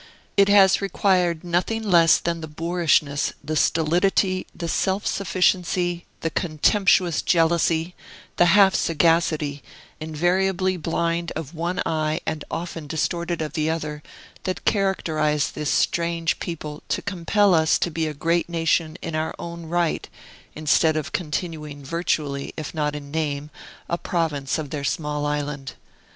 It has required nothing less than the boorishness, the stolidity, the self sufficiency, the contemptuous jealousy, the half sagacity, invariably blind of one eye and often distorted of the other, that characterize this strange people, to compel us to be a great nation in our own right, instead of continuing virtually, if not in name, a province of their small island.